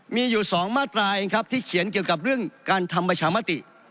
มีอยู่๒มาตราเองครับที่เขียนเกี่ยวกับเรื่องการทำประชามติ